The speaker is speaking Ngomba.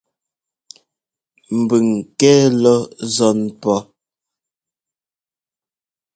Mbʉng kɛ́ lɔ́ nzɔ́n pɔ́.